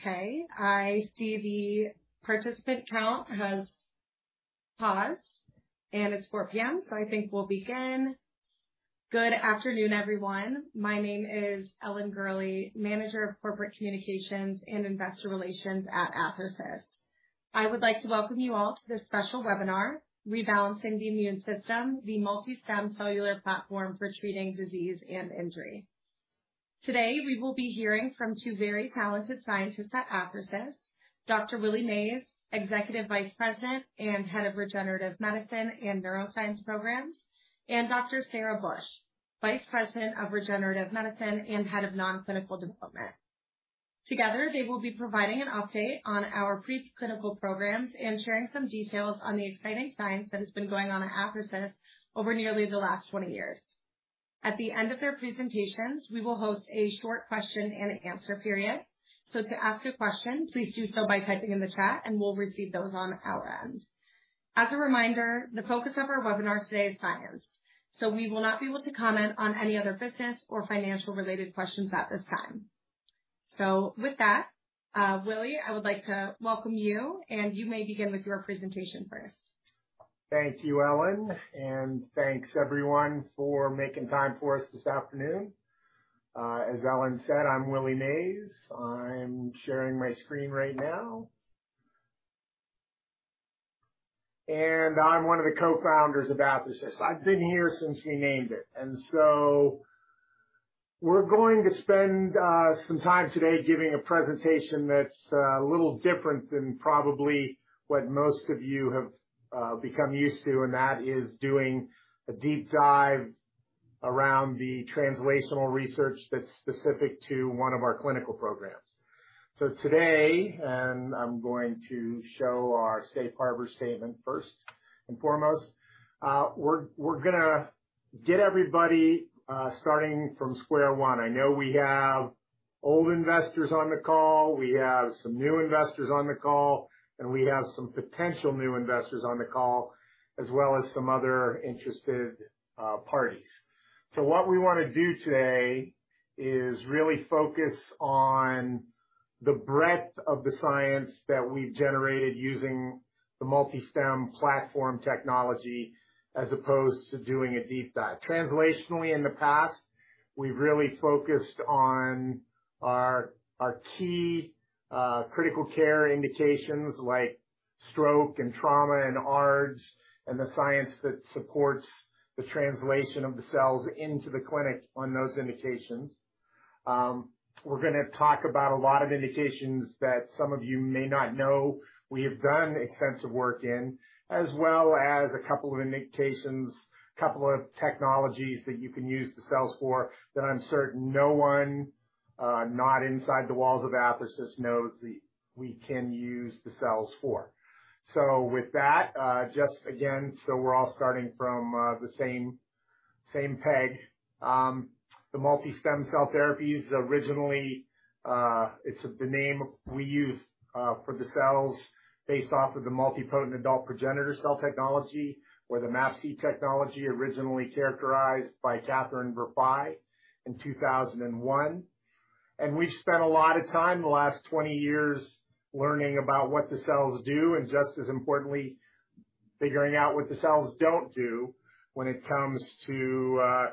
Okay. I see the participant count has paused and it's 4:00 P.M., so I think we'll begin. Good afternoon, everyone. My name is Ellen Gurley, Manager of Corporate Communications and Investor Relations at Athersys. I would like to welcome you all to this special webinar, Rebalancing the Immune System: The MultiStem Cellular Platform for Treating Disease and Injury. Today, we will be hearing from two very talented scientists at Athersys, Dr. Willie Mays, Executive Vice President and Head of Regenerative Medicine and Neuroscience Programs, and Dr. Sarah Busch, Vice President of Regenerative Medicine and Head of Non-Clinical Development. Together, they will be providing an update on our pre-clinical programs and sharing some details on the exciting science that has been going on at Athersys over nearly the last 20 years. At the end of their presentations, we will host a short question-and-answer period. To ask a question, please do so by typing in the chat and we'll receive those on our end. As a reminder, the focus of our webinar today is science, so we will not be able to comment on any other business or financial related questions at this time. With that, Willie, I would like to welcome you, and you may begin with your presentation first. Thank you, Ellen, and thanks everyone for making time for us this afternoon. As Ellen said, I'm Willie Mays. I'm sharing my screen right now. I'm one of the co-founders of Athersys. I've been here since we named it. We're going to spend some time today giving a presentation that's a little different than probably what most of you have become used to, and that is doing a deep dive around the translational research that's specific to one of our clinical programs. Today, I'm going to show our safe harbor statement first and foremost. We're gonna get everybody starting from square one. I know we have old investors on the call, we have some new investors on the call, and we have some potential new investors on the call, as well as some other interested parties. What we wanna do today is really focus on the breadth of the science that we've generated using the MultiStem platform technology as opposed to doing a deep dive. Translationally, in the past, we've really focused on our key critical care indications like stroke and trauma and ARDS, and the science that supports the translation of the cells into the clinic on those indications. We're gonna talk about a lot of indications that some of you may not know we have done extensive work in, as well as a couple of indications, couple of technologies that you can use the cells for that I'm certain no one, not inside the walls of Athersys, knows that we can use the cells for. With that, just again, we're all starting from the same peg. The MultiStem cell therapies originally, it's the name we use, for the cells based off of the multipotent adult progenitor cell technology or the MAPC technology originally characterized by Catherine Verfaillie in 2001. We've spent a lot of time in the last 20 years learning about what the cells do, and just as importantly, figuring out what the cells don't do when it comes to,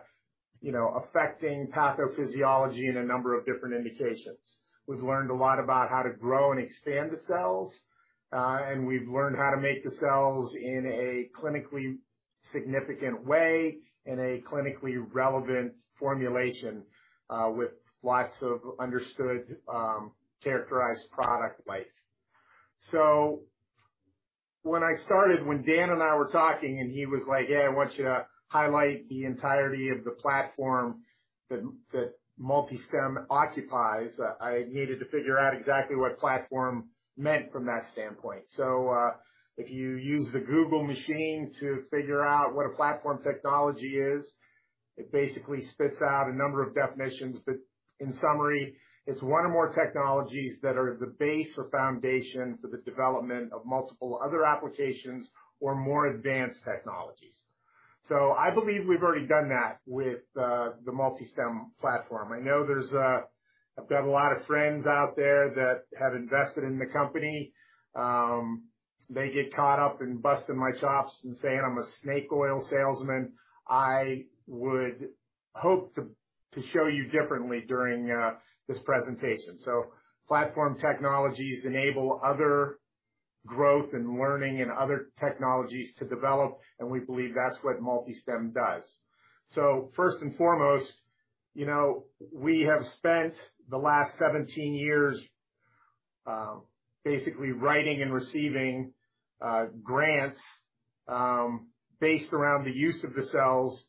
you know, affecting pathophysiology in a number of different indications. We've learned a lot about how to grow and expand the cells, and we've learned how to make the cells in a clinically significant way, in a clinically relevant formulation, with lots of understood, characterized product life. When I started, when Dan and I were talking, and he was like, "Yeah, I want you to highlight the entirety of the platform that MultiStem occupies," I needed to figure out exactly what platform meant from that standpoint. If you use the Google machine to figure out what a platform technology is, it basically spits out a number of definitions. In summary, it is one or more technologies that are the base or foundation for the development of multiple other applications or more advanced technologies. I believe we have already done that with the MultiStem platform. I know there is. I have got a lot of friends out there that have invested in the company. They get caught up in busting my chops and saying I am a snake oil salesman. I would hope to show you differently during this presentation. Platform technologies enable other growth and learning and other technologies to develop, and we believe that's what MultiStem does. First and foremost, you know, we have spent the last 17 years basically writing and receiving grants based around the use of the cells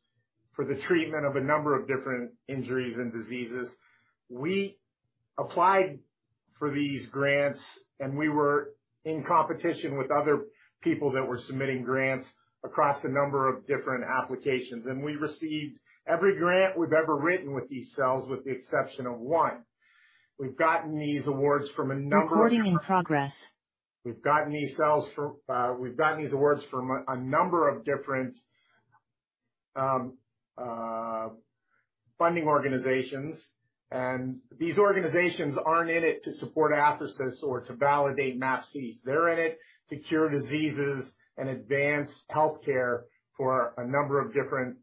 for the treatment of a number of different injuries and diseases. We applied for these grants, and we were in competition with other people that were submitting grants across a number of different applications. We received every grant we've ever written with these cells with the exception of one. We've gotten these awards from a number of Recording in progress. We've gotten these awards from a number of different funding organizations. These organizations aren't in it to support Athersys or to validate MAPCs. They're in it to cure diseases and advance healthcare for a number of different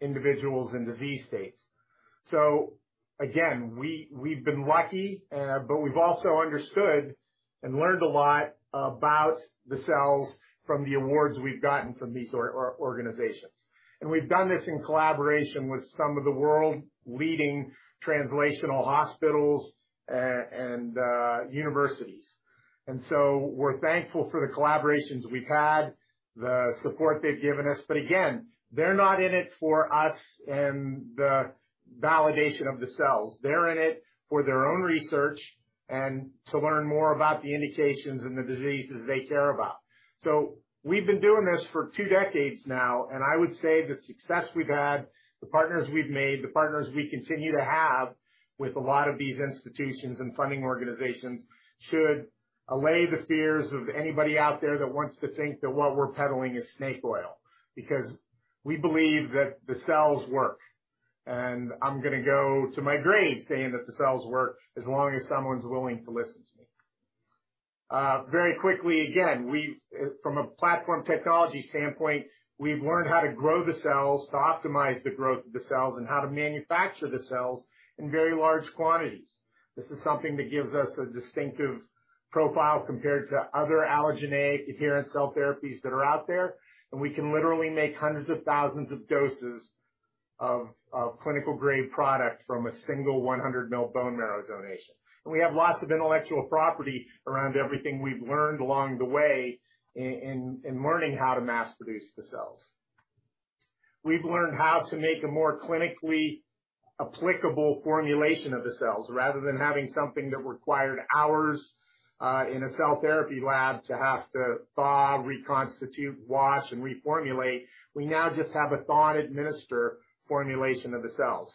individuals in disease states. Again, we've been lucky, but we've also understood and learned a lot about the cells from the awards we've gotten from these organizations. We've done this in collaboration with some of the world-leading translational hospitals and universities. We're thankful for the collaborations we've had, the support they've given us. Again, they're not in it for us and the validation of the cells. They're in it for their own research and to learn more about the indications and the diseases they care about. We've been doing this for two decades now, and I would say the success we've had, the partners we've made, the partners we continue to have with a lot of these institutions and funding organizations should allay the fears of anybody out there that wants to think that what we're peddling is snake oil, because we believe that the cells work. I'm gonna go to my grave saying that the cells work as long as someone's willing to listen to me. Very quickly, again, from a platform technology standpoint, we've learned how to grow the cells, to optimize the growth of the cells, and how to manufacture the cells in very large quantities. This is something that gives us a distinctive profile compared to other allogeneic adherent cell therapies that are out there, and we can literally make hundreds of thousands of doses of clinical-grade product from a single 100 ml bone marrow donation. We have lots of intellectual property around everything we've learned along the way in learning how to mass produce the cells. We've learned how to make a more clinically applicable formulation of the cells. Rather than having something that required hours in a cell therapy lab to have to thaw, reconstitute, wash, and reformulate, we now just have a thaw and administer formulation of the cells.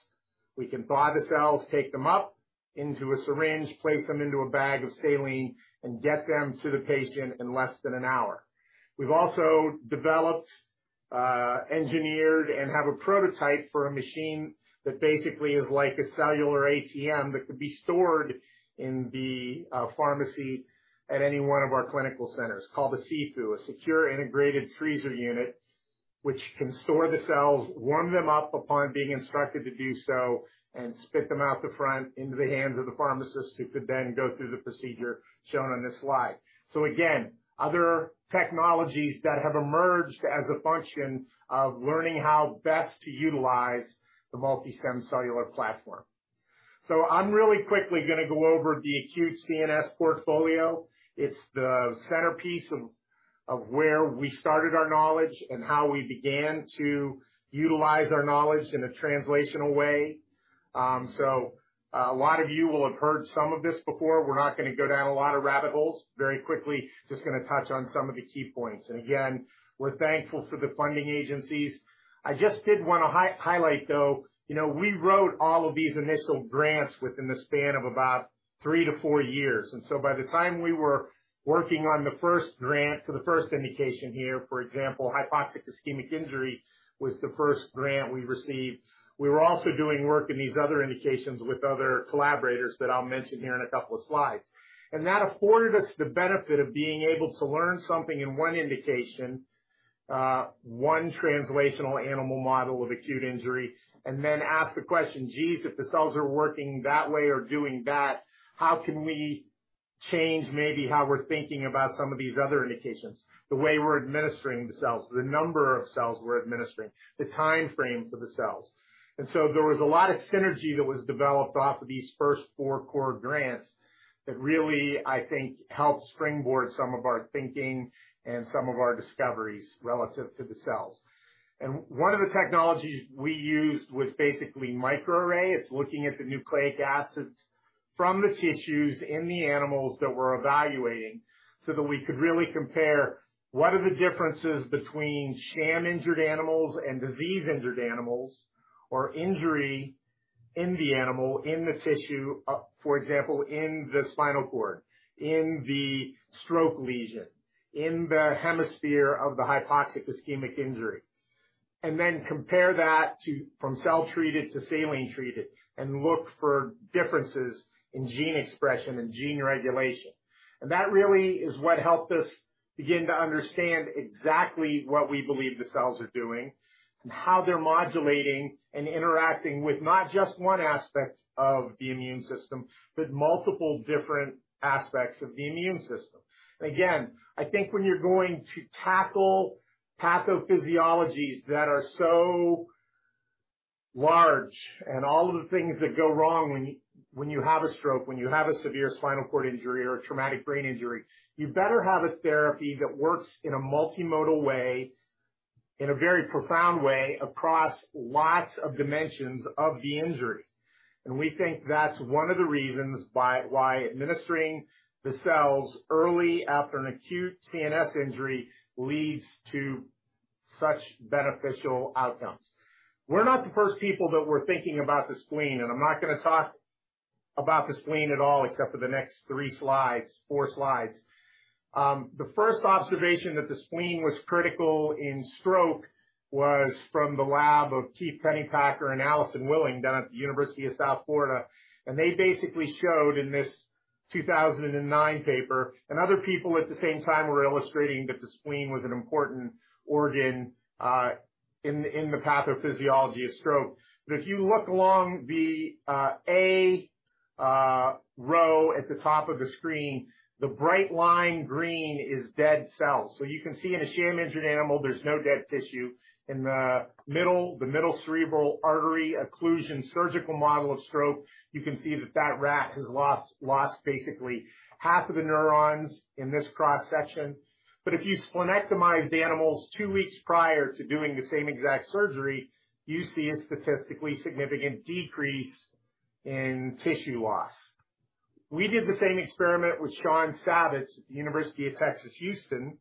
We can thaw the cells, take them up into a syringe, place them into a bag of saline, and get them to the patient in less than an hour. We've also developed, engineered, and have a prototype for a machine that basically is like a cellular ATM that could be stored in the pharmacy at any one of our clinical centers, called the SIFU, a Secure Integrated Freezer Unit, which can store the cells, warm them up upon being instructed to do so, and spit them out the front into the hands of the pharmacist, who could then go through the procedure shown on this slide. Again, other technologies that have emerged as a function of learning how best to utilize the MultiStem cellular platform. I'm really quickly gonna go over the acute CNS portfolio. It's the centerpiece of where we started our knowledge and how we began to utilize our knowledge in a translational way. A lot of you will have heard some of this before. We're not gonna go down a lot of rabbit holes. Very quickly, just gonna touch on some of the key points. Again, we're thankful for the funding agencies. I just did wanna highlight, though, you know, we wrote all of these initial grants within the span of about three to four years. By the time we were working on the first grant for the first indication here, for example, Hypoxic-Ischemic injury was the first grant we received. We were also doing work in these other indications with other collaborators that I'll mention here in a couple of slides. That afforded us the benefit of being able to learn something in one indication, one translational animal model of acute injury, and then ask the question: "Geez, if the cells are working that way or doing that, how can we change maybe how we're thinking about some of these other indications, the way we're administering the cells, the number of cells we're administering, the timeframe for the cells?" There was a lot of synergy that was developed off of these first four core grants that really, I think, helped springboard some of our thinking and some of our discoveries relative to the cells. One of the technologies we used was basically microarray. It's looking at the nucleic acids from the tissues in the animals that we're evaluating so that we could really compare what are the differences between sham-injured animals and disease-injured animals, or injury in the animal, in the tissue, for example, in the spinal cord, in the stroke lesion, in the hemisphere of the Hypoxic-Ischemic injury. Compare that to from cell-treated to saline-treated, and look for differences in gene expression and gene regulation. That really is what helped us begin to understand exactly what we believe the cells are doing and how they're modulating and interacting with not just one aspect of the immune system, but multiple different aspects of the immune system. I think when you're going to tackle pathophysiologies that are so large and all of the things that go wrong when you have a stroke, when you have a severe spinal cord injury or a traumatic brain injury, you better have a therapy that works in a multimodal way, in a very profound way, across lots of dimensions of the injury. We think that's one of the reasons why administering the cells early after an acute CNS injury leads to such beneficial outcomes. We're not the first people that were thinking about the spleen, and I'm not gonna talk about the spleen at all, except for the next three slides, four slides. The first observation that the spleen was critical in stroke was from the lab of Keith Pennypacker and Alison Willing, down at the University of South Florida. They basically showed in this 2009 paper, and other people at the same time were illustrating that the spleen was an important organ in the pathophysiology of stroke. If you look along the arrow at the top of the screen, the bright green line is dead cells. You can see in a sham-injured animal, there's no dead tissue. In the middle, the middle cerebral artery occlusion surgical model of stroke, you can see that that rat has lost basically half of the neurons in this cross-section. If you splenectomized the animals two weeks prior to doing the same exact surgery, you see a statistically significant decrease in tissue loss. We did the same experiment with Sean Savitz at the University of Texas (UTHealth) Houston,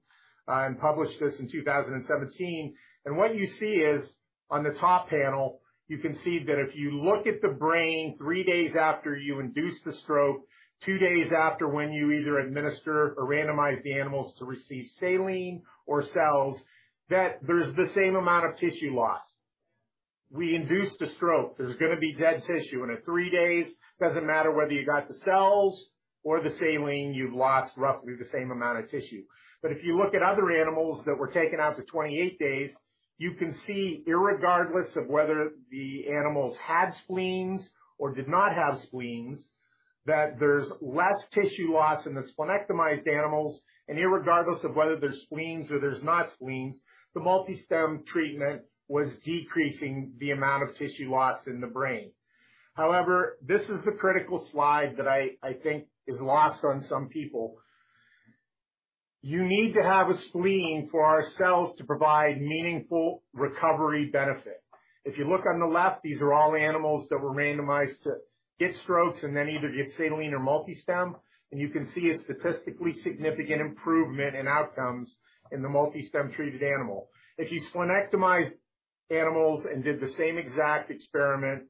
and published this in 2017. What you see is on the top panel, you can see that if you look at the brain three days after you induce the stroke, two days after when you either administer or randomize the animals to receive saline or cells, that there's the same amount of tissue loss. We induced a stroke. There's gonna be dead tissue, and at three days, doesn't matter whether you got the cells or the saline, you've lost roughly the same amount of tissue. If you look at other animals that were taken out to 28 days, you can see irregardless of whether the animals had spleens or did not have spleens, that there's less tissue loss in the splenectomized animals. Irregardless of whether there's spleens or there's not spleens, the MultiStem treatment was decreasing the amount of tissue loss in the brain. However, this is the critical slide that I think is lost on some people. You need to have a spleen for our cells to provide meaningful recovery benefit. If you look on the left, these are all animals that were randomized to get strokes and then either get saline or MultiStem, and you can see a statistically significant improvement in outcomes in the MultiStem-treated animal. If you splenectomized animals and did the same exact experiment,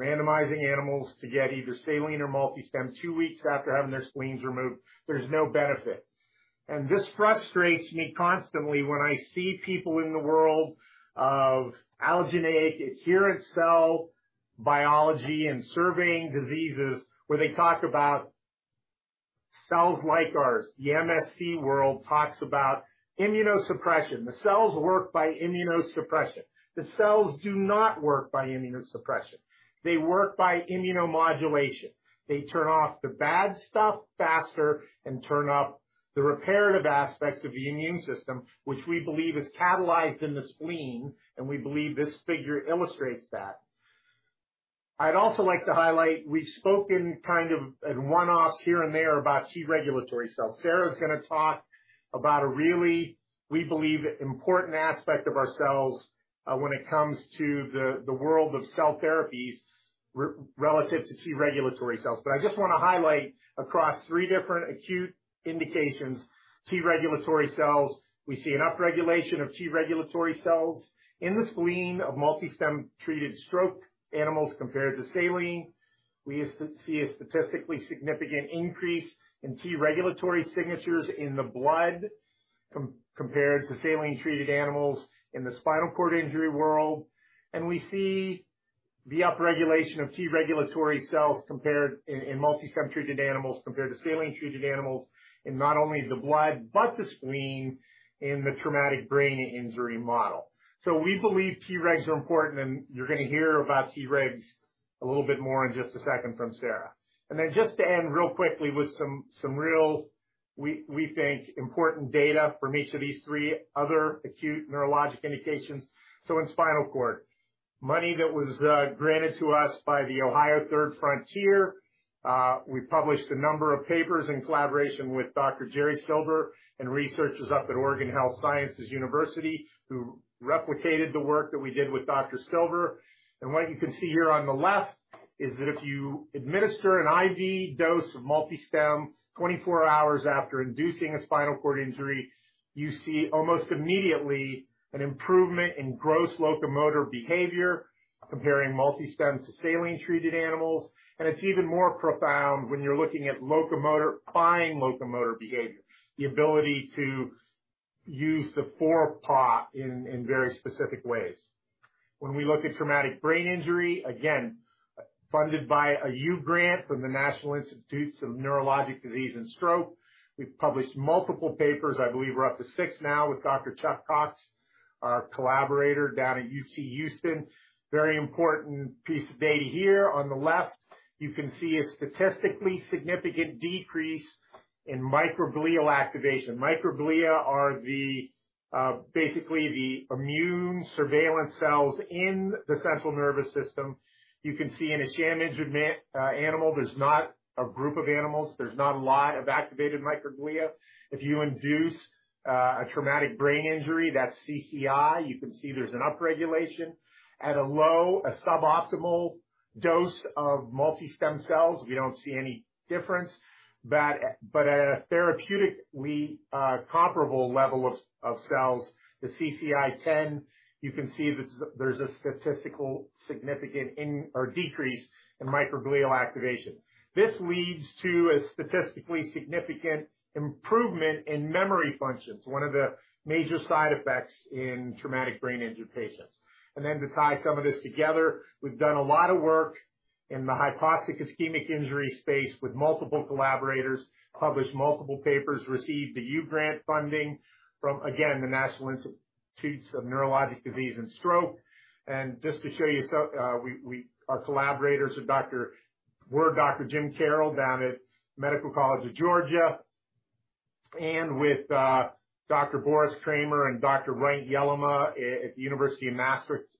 randomizing animals to get either saline or MultiStem two weeks after having their spleens removed, there's no benefit. This frustrates me constantly when I see people in the world of allogeneic adherent cell biology and various diseases where they talk about cells like ours. The MSC world talks about immunosuppression. The cells work by immunosuppression. The cells do not work by immunosuppression. They work by immunomodulation. They turn off the bad stuff faster and turn up the reparative aspects of the immune system, which we believe is catalyzed in the spleen, and we believe this figure illustrates that. I'd also like to highlight, we've spoken kind of in one-offs here and there about T-regulatory cells. Sarah's gonna talk about a really, we believe, important aspect of our cells, when it comes to the world of cell therapies relative to T-regulatory cells. I just wanna highlight across three different acute indications, T-regulatory cells, we see an upregulation of T-regulatory cells in the spleen of MultiStem-treated stroked animals compared to saline. We see a statistically significant increase in T-regulatory signatures in the blood compared to saline-treated animals in the spinal cord injury world. We see the upregulation of T-regulatory cells compared in MultiStem-treated animals compared to saline-treated animals in not only the blood but the spleen in the traumatic brain injury model. We believe T-regs are important, and you're gonna hear about T-regs a little bit more in just a second from Sarah. Then just to end real quickly with some real, we think, important data from each of these three other acute neurologic indications. In spinal cord, money that was granted to us by the Ohio Third Frontier, we published a number of papers in collaboration with Dr. Jerry Silver and researchers up at Oregon Health & Science University, who replicated the work that we did with Dr. Silver. What you can see here on the left is that if you administer an IV dose of MultiStem 24 hours after inducing a spinal cord injury, you see almost immediately an improvement in gross locomotor behavior comparing MultiStem to saline-treated animals. It's even more profound when you're looking at locomotor, fine locomotor behavior, the ability to use the forepaw in very specific ways. When we look at traumatic brain injury, again, funded by a U grant from the National Institute of Neurological Disorders and Stroke, we've published multiple papers. I believe we're up to six now with Dr. Chuck Cox, our collaborator down at UTHealth Houston. Very important piece of data here on the left. You can see a statistically significant decrease in microglial activation. Microglia are the basically the immune surveillance cells in the central nervous system. You can see in a sham-injured animal, there's not a lot of activated microglia. If you induce a traumatic brain injury, that's CCI, you can see there's an upregulation at a low, suboptimal dose of MultiStem cells, we don't see any difference. But at a therapeutically comparable level of cells, the CCI-10, you can see that there's a statistically significant increase or decrease in microglial activation. This leads to a statistically significant improvement in memory functions, one of the major side effects in traumatic brain injury patients. To tie some of this together, we've done a lot of work in the hypoxic ischemic injury space with multiple collaborators, published multiple papers, received a U grant funding from, again, the National Institute of Neurological Disorders and Stroke. Just to show you so. We are collaborators with Dr. Ward, Dr. Jim Carroll down at Medical College of Georgia, and with Dr. Boris Kramer and Dr. Reint Jellema at Maastricht University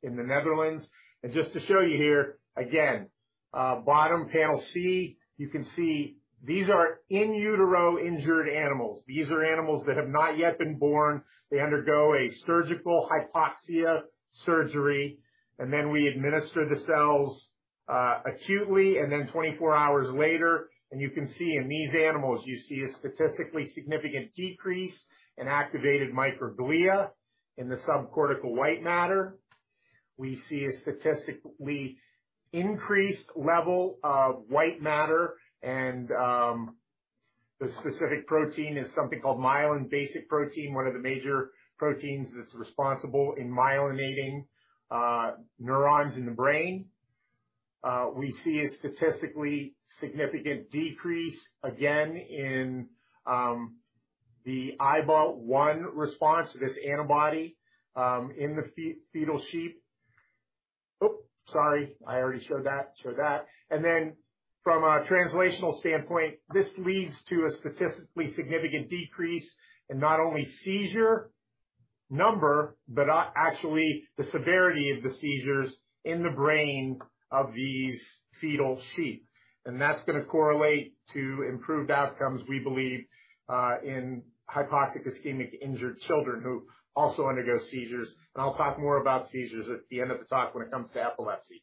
in the Netherlands. Just to show you here again, bottom panel C, you can see these are in utero-injured animals. These are animals that have not yet been born. They undergo a surgical hypoxia surgery, and then we administer the cells acutely, and then 24 hours later, and you can see in these animals, you see a statistically significant decrease in activated microglia in the subcortical white matter. We see a statistically increased level of white matter and the specific protein is something called myelin basic protein, one of the major proteins that's responsible in myelinating neurons in the brain. We see a statistically significant decrease again in the Iba1 response to this antibody in the fetal sheep. From a translational standpoint, this leads to a statistically significant decrease in not only seizure number, but actually the severity of the seizures in the brain of these fetal sheep. That's gonna correlate to improved outcomes, we believe, in hypoxic ischemic injured children who also undergo seizures. I'll talk more about seizures at the end of the talk when it comes to epilepsy.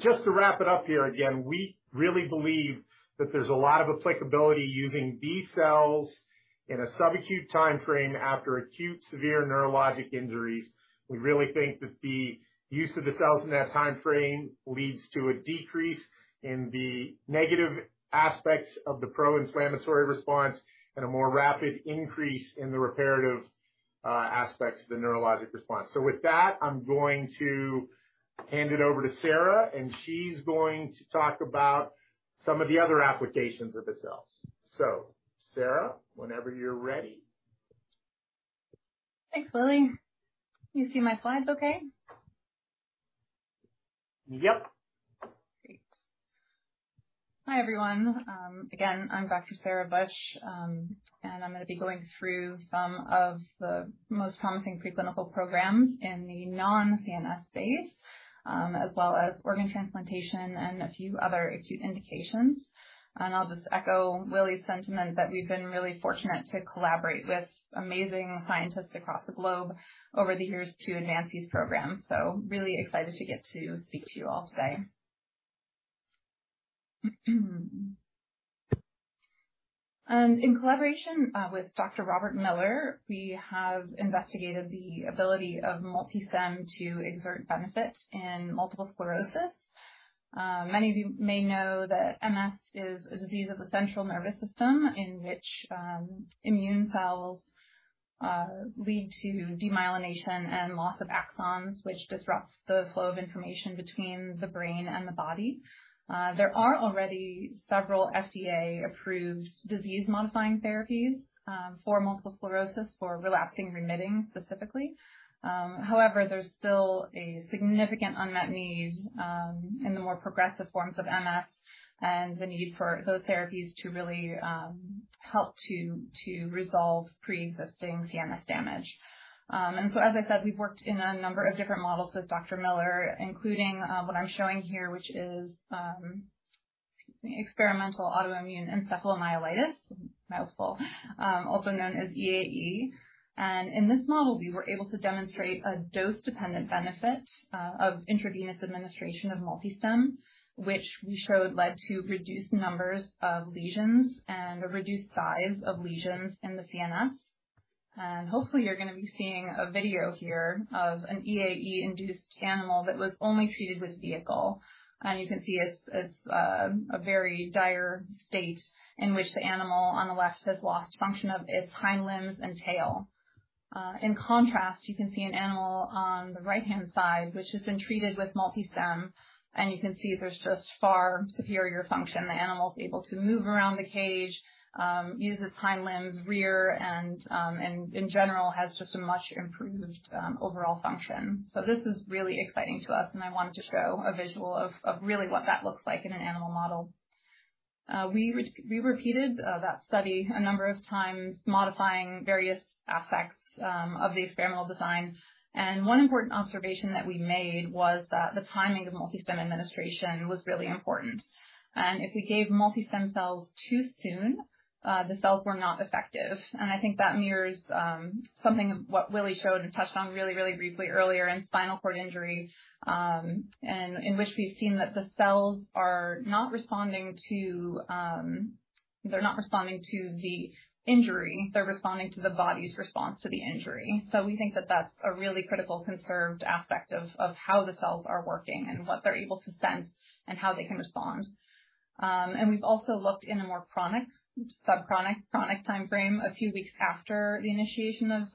Just to wrap it up here, again, we really believe that there's a lot of applicability using these cells in a subacute timeframe after acute severe neurologic injuries. We really think that the use of the cells in that timeframe leads to a decrease in the negative aspects of the pro-inflammatory response and a more rapid increase in the reparative aspects of the neurologic response. With that, I'm going to hand it over to Sarah, and she's going to talk about some of the other applications of the cells. Sarah, whenever you're ready. Thanks, Willie. You see my slides okay? Yep. Great. Hi, everyone. I'm Dr. Sarah Busch, and I'm gonna be going through some of the most promising preclinical programs in the non-CNS space, as well as organ transplantation and a few other acute indications. I'll just echo Willie's sentiment that we've been really fortunate to collaborate with amazing scientists across the globe over the years to advance these programs. Really excited to get to speak to you all today. In collaboration with Dr. Robert Miller, we have investigated the ability of MultiStem to exert benefit in multiple sclerosis. Many of you may know that MS is a disease of the central nervous system in which immune cells lead to demyelination and loss of axons, which disrupts the flow of information between the brain and the body. There are already several FDA-approved disease-modifying therapies, for multiple sclerosis, for relapsing remitting specifically. However, there's still a significant unmet need, in the more progressive forms of MS and the need for those therapies to really, help to resolve preexisting CNS damage. As I said, we've worked in a number of different models with Dr. Miller, including, what I'm showing here, which is, excuse me, experimental autoimmune encephalomyelitis, mouthful, also known as EAE. In this model, we were able to demonstrate a dose-dependent benefit, of intravenous administration of MultiStem, which we showed led to reduced numbers of lesions and a reduced size of lesions in the CNS. Hopefully, you're gonna be seeing a video here of an EAE-induced animal that was only treated with vehicle. You can see a very dire state in which the animal on the left has lost function of its hind limbs and tail. In contrast, you can see an animal on the right-hand side which has been treated with MultiStem, and you can see there's just far superior function. The animal's able to move around the cage, use its hind limbs, rear, and in general, has just a much improved overall function. This is really exciting to us, and I wanted to show a visual of really what that looks like in an animal model. We repeated that study a number of times, modifying various aspects of the experimental design. One important observation that we made was that the timing of MultiStem administration was really important. If you gave MultiStem cells too soon, the cells were not effective. I think that mirrors something of what Willie showed and touched on really, really briefly earlier in spinal cord injury, and in which we've seen that the cells are not responding to they're not responding to the injury, they're responding to the body's response to the injury. We think that that's a really critical conserved aspect of how the cells are working and what they're able to sense and how they can respond. We've also looked in a more chronic subchronic, chronic timeframe, a few weeks after the initiation of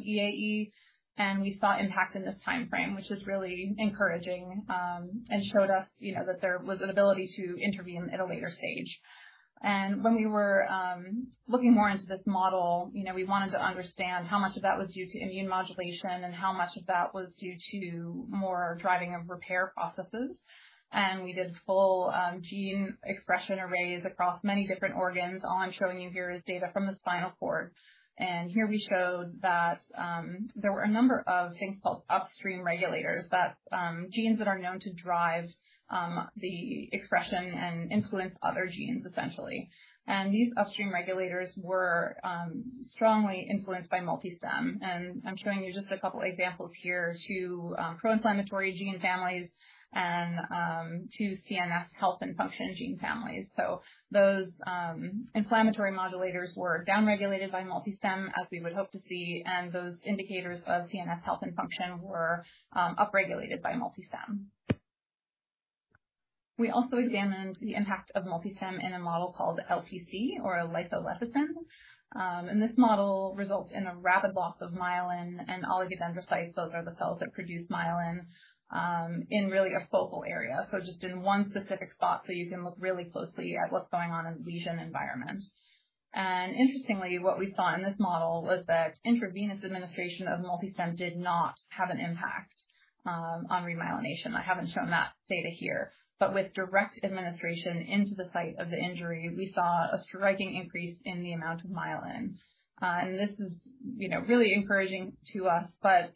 EAE, and we saw impact in this timeframe, which is really encouraging, and showed us, you know, that there was an ability to intervene at a later stage. When we were looking more into this model, you know, we wanted to understand how much of that was due to immune modulation and how much of that was due to more driving of repair processes. We did full gene expression arrays across many different organs. All I'm showing you here is data from the spinal cord. Here we showed that there were a number of things called upstream regulators. That's genes that are known to drive the expression and influence other genes, essentially. These upstream regulators were strongly influenced by MultiStem. I'm showing you just a couple examples here to proinflammatory gene families and to CNS health and function gene families. Those inflammatory modulators were downregulated by MultiStem, as we would hope to see, and those indicators of CNS health and function were upregulated by MultiStem. We also examined the impact of MultiStem in a model called LPC or lysolecithin. This model results in a rapid loss of myelin and oligodendrocytes, those are the cells that produce myelin, in really a focal area. Just in one specific spot, so you can look really closely at what's going on in the lesion environment. Interestingly, what we saw in this model was that intravenous administration of MultiStem did not have an impact on remyelination. I haven't shown that data here. With direct administration into the site of the injury, we saw a striking increase in the amount of myelin. This is, you know, really encouraging to us.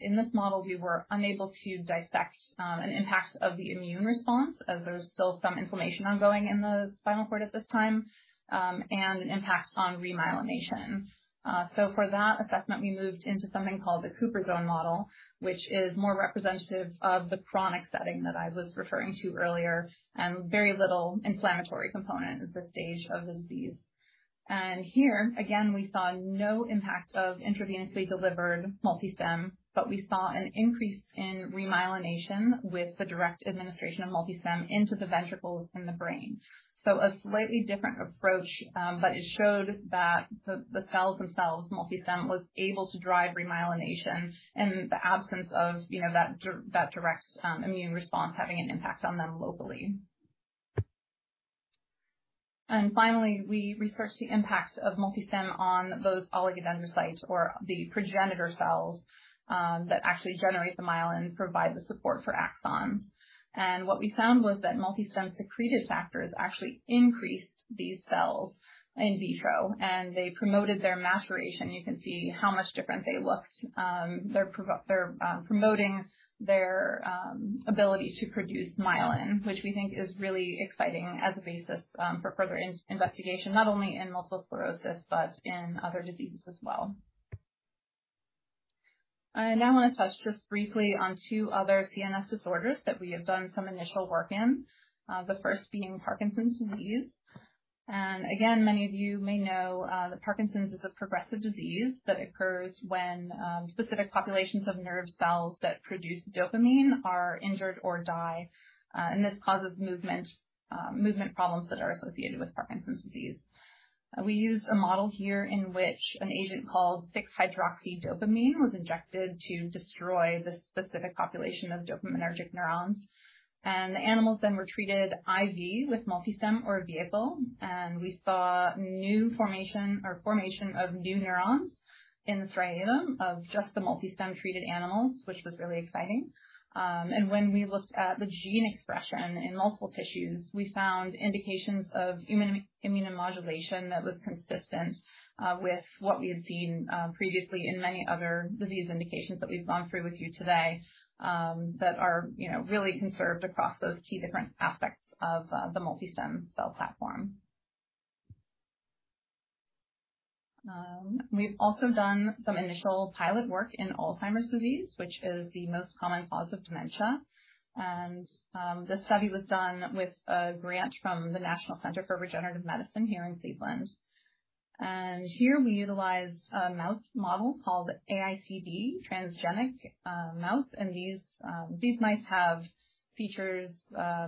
In this model, we were unable to dissect an impact of the immune response as there was still some inflammation ongoing in the spinal cord at this time, and impact on remyelination. For that assessment, we moved into something called the Cuprizone model, which is more representative of the chronic setting that I was referring to earlier, and very little inflammatory component at this stage of the disease. Here, again, we saw no impact of intravenously delivered MultiStem, but we saw an increase in remyelination with the direct administration of MultiStem into the ventricles in the brain. A slightly different approach, but it showed that the cells themselves, MultiStem, was able to drive remyelination in the absence of, you know, that direct immune response having an impact on them locally. Finally, we researched the impact of MultiStem on those oligodendrocytes or the progenitor cells that actually generate the myelin, provide the support for axons. What we found was that MultiStem secreted factors actually increased these cells in vitro, and they promoted their maturation. You can see how much different they looked. They're promoting their ability to produce myelin, which we think is really exciting as a basis for further investigation, not only in multiple sclerosis, but in other diseases as well. I now want to touch just briefly on two other CNS disorders that we have done some initial work in. The first being Parkinson's disease. Again, many of you may know that Parkinson's is a progressive disease that occurs when specific populations of nerve cells that produce dopamine are injured or die. This causes movement problems that are associated with Parkinson's disease. We used a model here in which an agent called 6-hydroxydopamine was injected to destroy the specific population of dopaminergic neurons. The animals then were treated IV with MultiStem or a vehicle, and we saw formation of new neurons in the striatum of just the MultiStem-treated animals, which was really exciting. When we looked at the gene expression in multiple tissues, we found indications of immunomodulation that was consistent with what we had seen previously in many other disease indications that we've gone through with you today, that are, you know, really conserved across those key different aspects of the MultiStem cell platform. We've also done some initial pilot work in Alzheimer's disease, which is the most common cause of dementia. This study was done with a grant from the National Center for Regenerative Medicine here in Cleveland. Here we utilized a mouse model called AICD transgenic mouse. These mice have features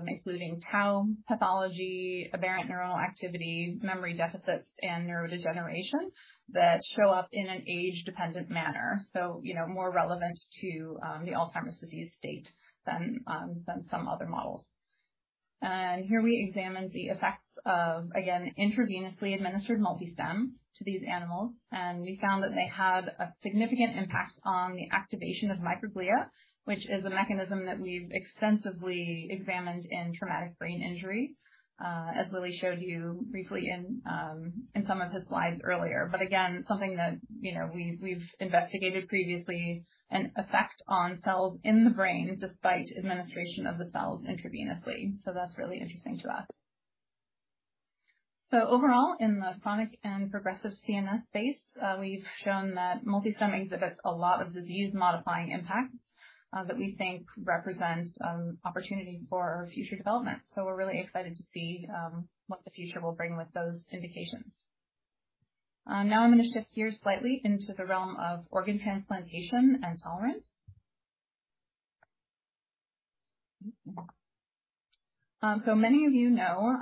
including tau pathology, aberrant neural activity, memory deficits, and neurodegeneration that show up in an age-dependent manner, so you know, more relevant to the Alzheimer's disease state than some other models. Here we examine the effects of, again, intravenously administered MultiStem to these animals. We found that they had a significant impact on the activation of microglia, which is a mechanism that we've extensively examined in traumatic brain injury, as Willie showed you briefly in some of his slides earlier. Again, something that you know, we've investigated previously an effect on cells in the brain despite administration of the cells intravenously. That's really interesting to us. Overall, in the chronic and progressive CNS space, we've shown that MultiStem exhibits a lot of disease-modifying impacts that we think represents opportunity for future development. We're really excited to see what the future will bring with those indications. Now I'm gonna shift gears slightly into the realm of organ transplantation and tolerance. Many of you know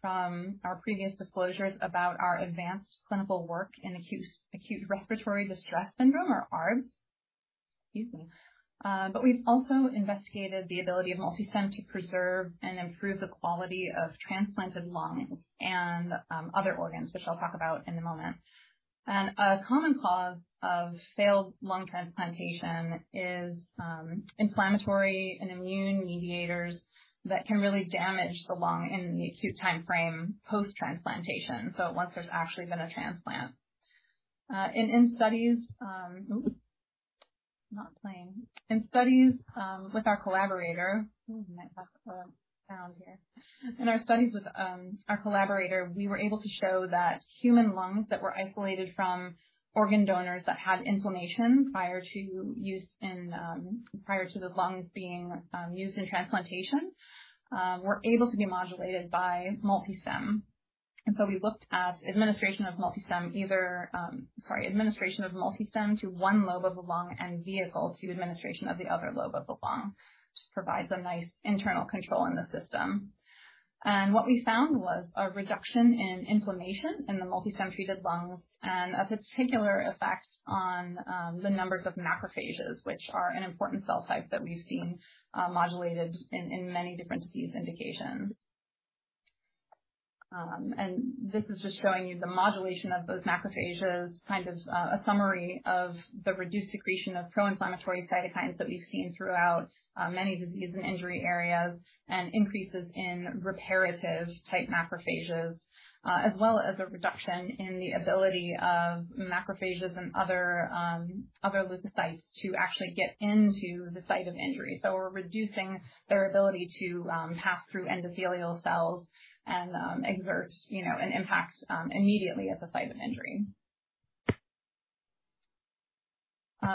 from our previous disclosures about our advanced clinical work in acute respiratory distress syndrome or ARDS. Excuse me. We've also investigated the ability of MultiStem to preserve and improve the quality of transplanted lungs and other organs, which I'll talk about in a moment. A common cause of failed lung transplantation is inflammatory and immune mediators that can really damage the lung in the acute timeframe post-transplantation, so once there's actually been a transplant. In our studies with our collaborator, we were able to show that human lungs that were isolated from organ donors that had inflammation prior to those lungs being used in transplantation were able to be modulated by MultiStem. We looked at administration of MultiStem to one lobe of the lung and vehicle to administration of the other lobe of the lung, which provides a nice internal control in the system. What we found was a reduction in inflammation in the MultiStem-treated lungs and a particular effect on the numbers of macrophages, which are an important cell type that we've seen modulated in many different disease indications. This is just showing you the modulation of those macrophages, kind of, a summary of the reduced secretion of pro-inflammatory cytokines that we've seen throughout many disease and injury areas and increases in reparative type macrophages, as well as a reduction in the ability of macrophages and other leukocytes to actually get into the site of injury. We're reducing their ability to pass through endothelial cells and exert, you know, an impact immediately at the site of injury.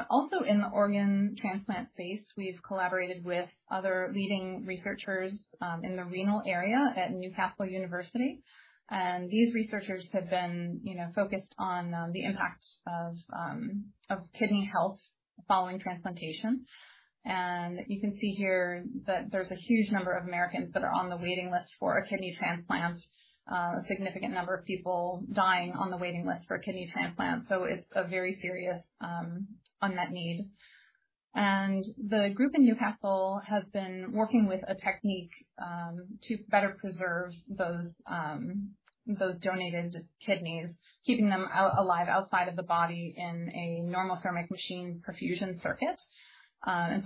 Also in the organ transplant space, we've collaborated with other leading researchers in the renal area at Newcastle University, and these researchers have been, you know, focused on the impact of kidney health following transplantation. You can see here that there's a huge number of Americans that are on the waiting list for a kidney transplant. A significant number of people dying on the waiting list for a kidney transplant, so it's a very serious unmet need. The group in Newcastle has been working with a technique to better preserve those donated kidneys, keeping them alive outside of the body in a normothermic machine perfusion circuit.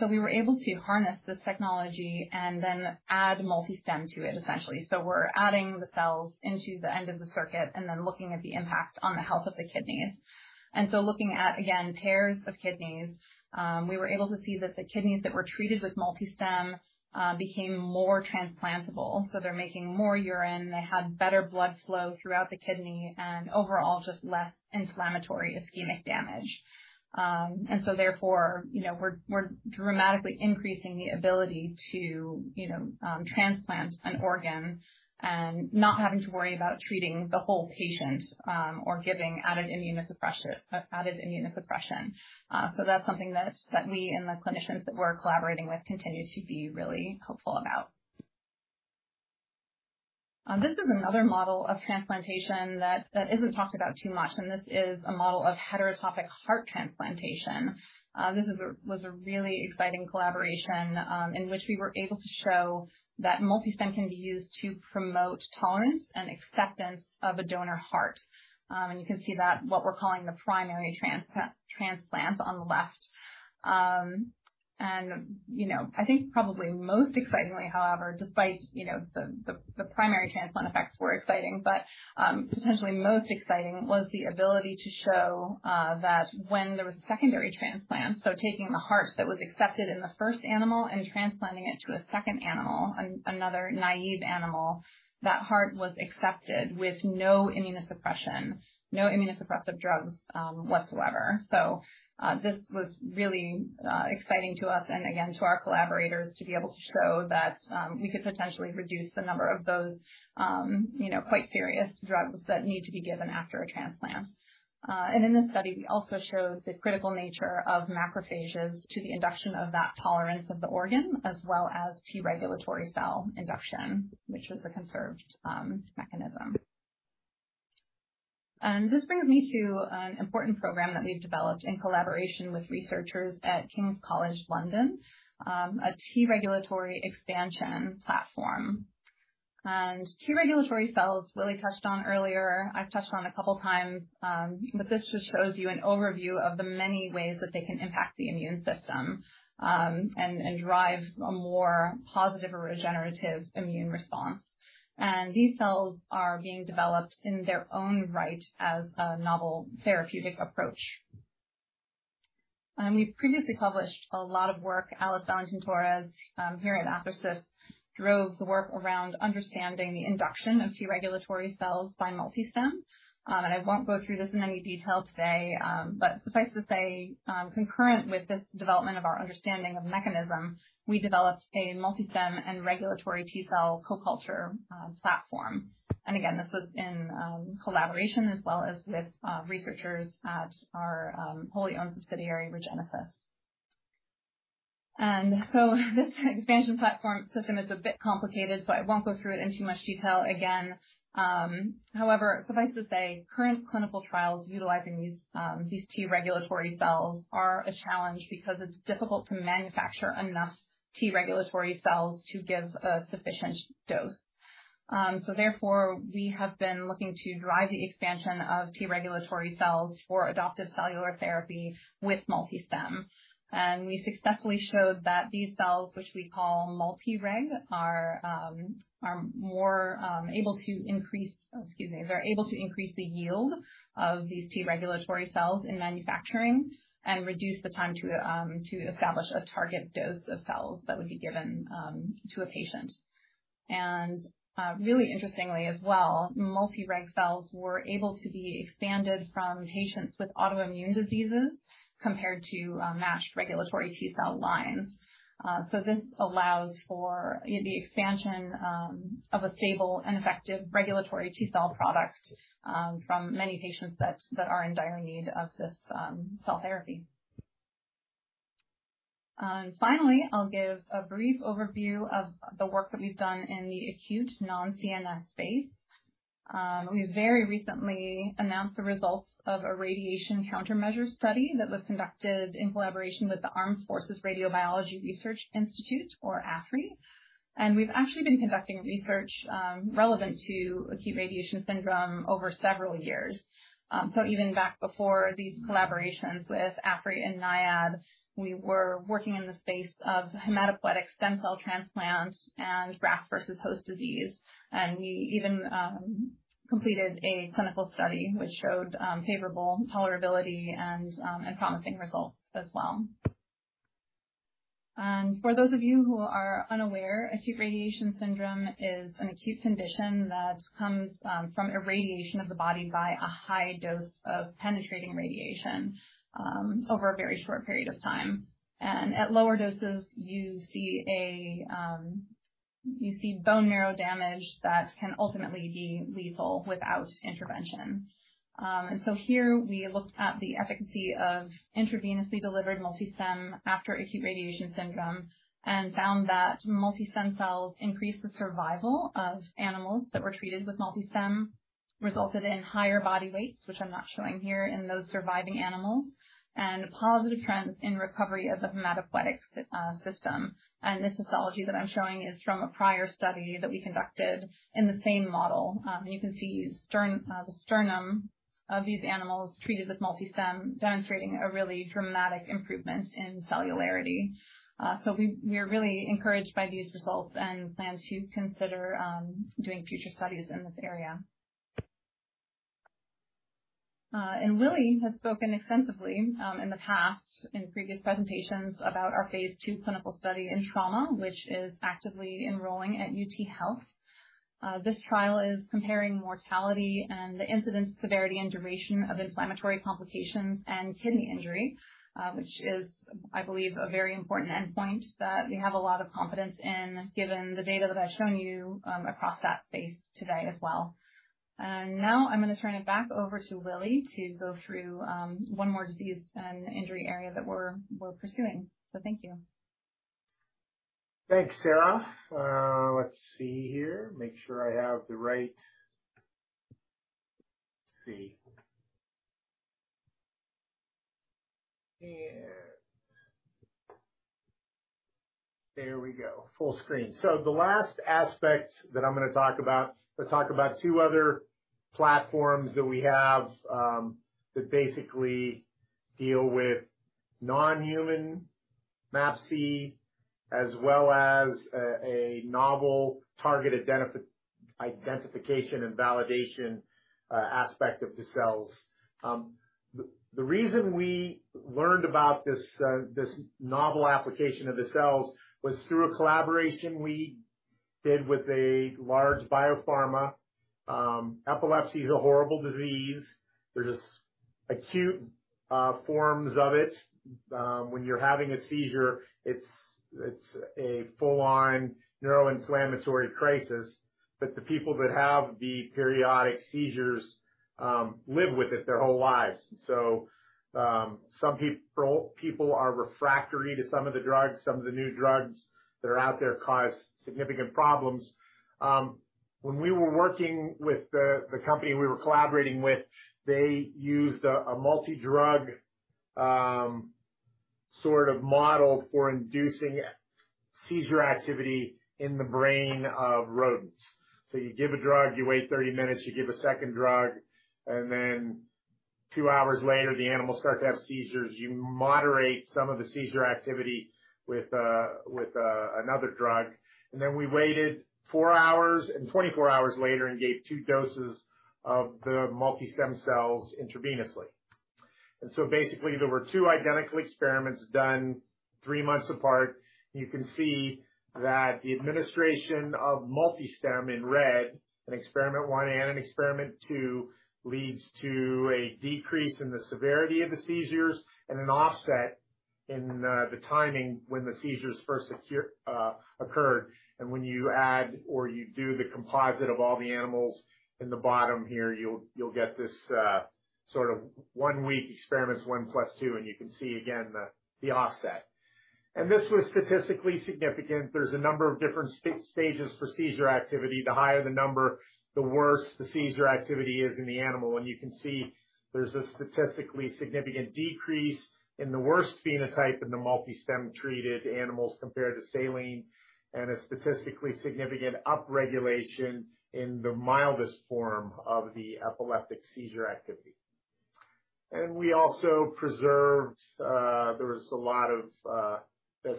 We were able to harness this technology and then add MultiStem to it, essentially. We're adding the cells into the end of the circuit and then looking at the impact on the health of the kidneys. Looking at, again, pairs of kidneys, we were able to see that the kidneys that were treated with MultiStem became more transplantable. They're making more urine, they had better blood flow throughout the kidney and overall just less inflammatory ischemic damage. Therefore, you know, we're dramatically increasing the ability to, you know, transplant an organ and not having to worry about treating the whole patient, or giving added immunosuppression. That's something that me and the clinicians that we're collaborating with continue to be really hopeful about. This is another model of transplantation that isn't talked about too much, and this is a model of heterotopic heart transplantation. This was a really exciting collaboration, in which we were able to show that MultiStem can be used to promote tolerance and acceptance of a donor heart. You can see that, what we're calling the primary transplant on the left. You know, I think probably most excitingly, however, despite, you know, the primary transplant effects were exciting, but, potentially most exciting was the ability to show, that when there was secondary transplant, so taking the heart that was accepted in the first animal and transplanting it to a second animal, another naive animal, that heart was accepted with no immunosuppression, no immunosuppressive drugs, whatsoever. This was really exciting to us and again, to our collaborators, to be able to show that you could potentially reduce the number of those, you know, quite serious drugs that need to be given after a transplant. In this study, we also showed the critical nature of macrophages to the induction of that tolerance of the organ, as well as T-regulatory cell induction, which was a conserved mechanism. This brings me to an important program that we've developed in collaboration with researchers at King's College London, a T-regulatory expansion platform. T-regulatory cells Willie touched on earlier, I've touched on a couple of times, but this just shows you an overview of the many ways that they can impact the immune system, and drive a more positive or regenerative immune response. These cells are being developed in their own right as a novel therapeutic approach. We've previously published a lot of work. Alice Valentin-Torres here at Athersys drove the work around understanding the induction of T-regulatory cells by MultiStem. I won't go through this in any detail today, but suffice to say, concurrent with this development of our understanding of mechanism, we developed a MultiStem and regulatory T-cell co-culture platform. Again, this was in collaboration as well as with researchers at our wholly owned subsidiary, ReGenesys. This expansion platform system is a bit complicated, so I won't go through it in too much detail again. However, suffice to say, current clinical trials utilizing these T-regulatory cells are a challenge because it's difficult to manufacture enough T-regulatory cells to give a sufficient dose. Therefore, we have been looking to drive the expansion of T-regulatory cells for adoptive cellular therapy with MultiStem. We successfully showed that these cells, which we call MultiReg, they're able to increase the yield of these T-regulatory cells in manufacturing and reduce the time to establish a target dose of cells that would be given to a patient. Really interestingly as well, MultiReg cells were able to be expanded from patients with autoimmune diseases compared to matched regulatory T-cell lines. This allows for the expansion of a stable and effective regulatory T-cell product from many patients that are in dire need of this cell therapy. Finally, I'll give a brief overview of the work that we've done in the acute non-CNS space. We very recently announced the results of a radiation countermeasure study that was conducted in collaboration with the Armed Forces Radiobiology Research Institute, or AFRRI. We've actually been conducting research relevant to acute radiation syndrome over several years. Even back before these collaborations with AFRRI and NIAID, we were working in the space of hematopoietic stem cell transplants and graft versus host disease. We even completed a clinical study which showed favorable tolerability and promising results as well. For those of you who are unaware, acute radiation syndrome is an acute condition that comes from irradiation of the body by a high dose of penetrating radiation over a very short period of time. At lower doses, you see bone marrow damage that can ultimately be lethal without intervention. Here we looked at the efficacy of intravenously delivered MultiStem after acute radiation syndrome and found that MultiStem cells increased the survival of animals that were treated with MultiStem, resulted in higher body weights, which I'm not showing here, in those surviving animals, and positive trends in recovery of the hematopoietic system. This histology that I'm showing is from a prior study that we conducted in the same model. You can see the sternum of these animals treated with MultiStem, demonstrating a really dramatic improvement in cellularity. We're really encouraged by these results and plan to consider doing future studies in this area. Willie has spoken extensively in the past in previous presentations about our phase II clinical study in trauma, which is actively enrolling at UTHealth. This trial is comparing mortality and the incidence, severity, and duration of inflammatory complications and kidney injury, which is, I believe, a very important endpoint that we have a lot of confidence in given the data that I've shown you across that space today as well. Now I'm gonna turn it back over to Willie to go through one more disease and injury area that we're pursuing. Thank you. Thanks, Sarah. Let's see here, make sure I have the right. Let's see. There we go. Full screen. The last aspect that I'm gonna talk about, let's talk about two other platforms that we have, that basically deal with non-human MAPCs, as well as a novel targeted identification and validation aspect of the cells. The reason we learned about this novel application of the cells was through a collaboration we did with a large biopharma. Epilepsy is a horrible disease. There's acute forms of it. When you're having a seizure, it's a full on neuroinflammatory crisis, but the people that have the periodic seizures live with it their whole lives. Some people are refractory to some of the drugs. Some of the new drugs that are out there cause significant problems. When we were working with the company we were collaborating with, they used a multi-drug sort of model for inducing seizure activity in the brain of rodents. You give a drug, you wait 30 minutes, you give a second drug, and then two hours later, the animals start to have seizures. You moderate some of the seizure activity with another drug. Then we waited four hours, and 24 hours later and gave two doses of the MultiStem cells intravenously. Basically, there were two identical experiments done three months apart. You can see that the administration of MultiStem in Red, in experiment 1 and in experiment 2, leads to a decrease in the severity of the seizures and an offset in the timing when the seizures first occurred. When you add or you do the composite of all the animals in the bottom here, you'll get this sort of one-week experiments 1 + 2, and you can see again the offset. This was statistically significant. There's a number of different stages for seizure activity. The higher the number, the worse the seizure activity is in the animal. You can see there's a statistically significant decrease in the worst phenotype in the MultiStem-treated animals compared to saline, and a statistically significant upregulation in the mildest form of the epileptic seizure activity. We also preserved there was a lot of this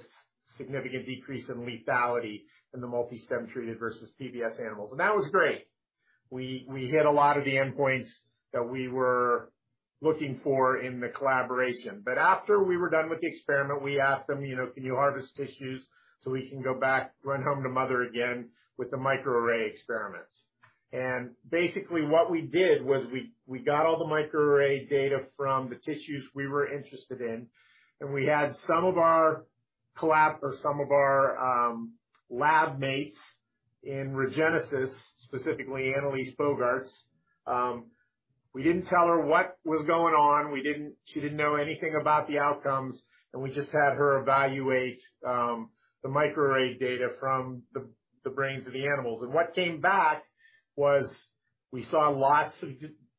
significant decrease in lethality in the MultiStem-treated versus PBS animals. That was great. We hit a lot of the endpoints that we were looking for in the collaboration. After we were done with the experiment, we asked them, you know, "Can you harvest tissues so we can go back, run home to mother again with the microarray experiments?" Basically, what we did was we got all the microarray data from the tissues we were interested in, and we had some of our collab or some of our lab mates in ReGenesys, specifically Annelies Bogaerts. We didn't tell her what was going on. She didn't know anything about the outcomes, and we just had her evaluate the microarray data from the brains of the animals. What came back was we saw lots of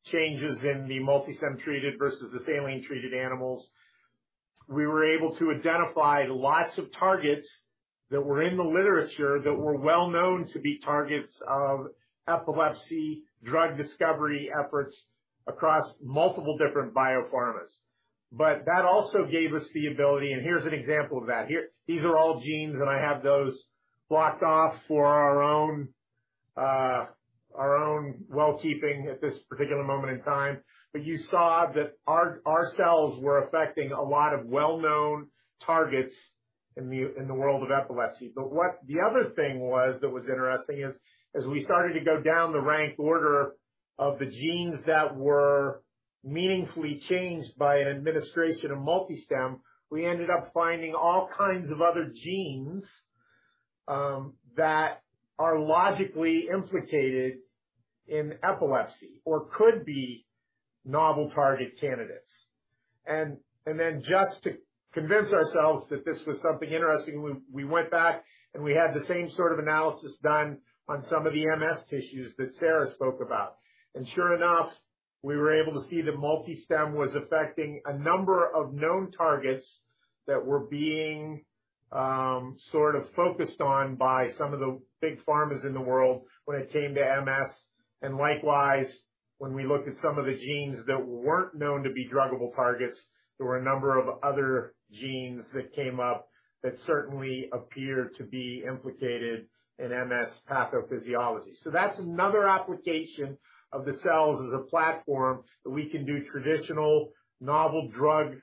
changes in the MultiStem-treated versus the saline-treated animals. We were able to identify lots of targets that were in the literature that were well known to be targets of epilepsy drug discovery efforts across multiple different biopharmas. That also gave us the ability, and here's an example of that. Here, these are all genes, and I have those blocked off for our own safekeeping at this particular moment in time. You saw that our cells were affecting a lot of well-known targets in the world of epilepsy. What the other thing was that was interesting is, as we started to go down the rank order of the genes that were meaningfully changed by an administration of MultiStem, we ended up finding all kinds of other genes, that are logically implicated in epilepsy or could be novel target candidates. Just to convince ourselves that this was something interesting, we went back and we had the same sort of analysis done on some of the MS tissues that Sarah spoke about. Sure enough, we were able to see that MultiStem was affecting a number of known targets that were being sort of focused on by some of the big pharmas in the world when it came to MS. Likewise, when we looked at some of the genes that weren't known to be druggable targets, there were a number of other genes that came up that certainly appeared to be implicated in MS pathophysiology. That's another application of the cells as a platform that we can do traditional novel drug